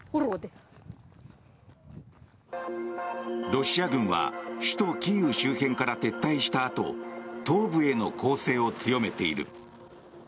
ロシア軍は首都キーウ周辺から撤退したあと東部への攻勢を強めている。